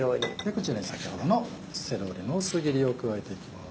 こちらに先ほどのセロリの薄切りを加えていきます。